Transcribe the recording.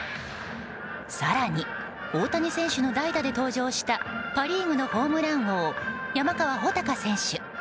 更に、大谷選手の代打で登場したパ・リーグのホームラン王山川穂高選手。